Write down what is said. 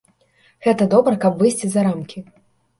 Гэта добра, каб выйсці за рамкі.